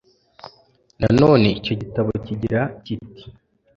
nanone icyo gitabo kigira kiti